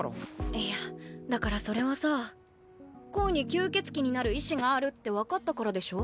いやだからそれはさコウに吸血鬼になる意志があるって分かったからでしょ？